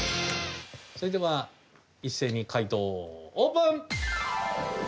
それでは一斉に解答をオープン！